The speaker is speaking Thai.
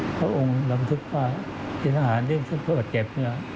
พระองค์รับทรึกว่าที่ทหารเรียกว่าที่บาดเจ็บ